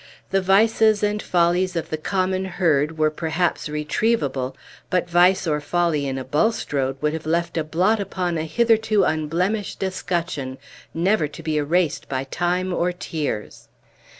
The vices and follies of the common herd were perhaps retrievable, but vice or folly in a Bulstrode would have left a blot upon a hitherto unblemished escutcheon never to be erased by time or tears.